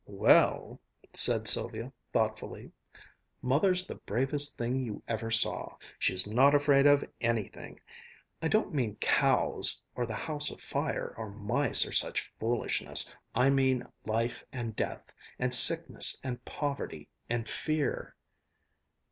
"Well," said Sylvia thoughtfully, "Mother's the bravest thing you ever saw. She's not afraid of anything! I don't mean cows, or the house afire, or mice, or such foolishness. I mean life and death, and sickness and poverty and fear...."